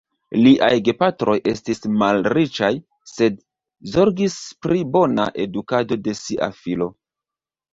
Liaj gepatroj estis malriĉaj, sed zorgis pri bona edukado de sia filo.